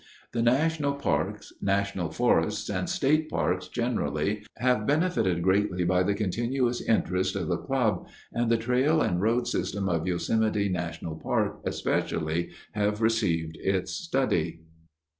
The national parks, national forests, and state parks, generally, have benefited greatly by the continuous interest of the club, and the trail and road systems of Yosemite National Park, especially, have received its study.